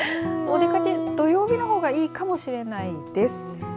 お出かけ土曜日のほうがいいかもしれないです。